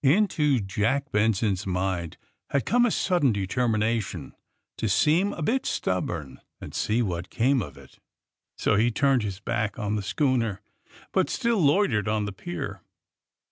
Into Jack Benson's mind had come a sudden determination to seem a bit stubborn and see AND THE SMUGGLERS 41 what came of it. So lie turned his back on the schooner, but still loitered on the pier.